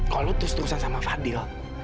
kalau lu terus terusan sama fadil